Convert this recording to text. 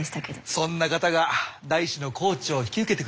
そんな方が大志のコーチを引き受けてくれるなんて。